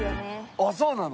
あっそうなの？